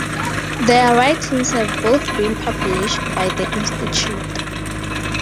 Their writings have both been published by the Institute.